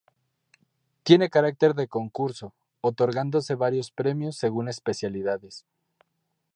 Tiene carácter de concurso, otorgándose varios premios según especialidades.